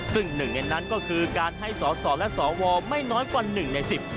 ซึ่งหนึ่งในนั้นก็คือการให้สอสอและสวไม่น้อยกว่าหนึ่งในสิบ